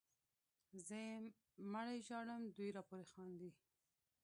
زه یې مړی ژاړم دوی راپورې خاندي